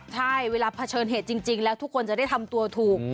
ใช่เวลาเผชิญเหตุจริงแล้วทุกคนจะได้ทำตัวถูก